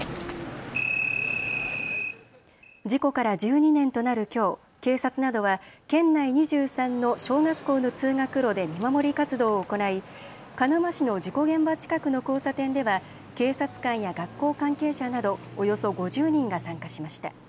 事故から１２年となるきょう、警察などは県内２３の小学校の通学路で見守り活動を行い鹿沼市の事故現場近くの交差点では警察官や学校関係者などおよそ５０人が参加しました。